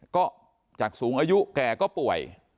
ก็จากสูงอายุแก่ก็ป่วย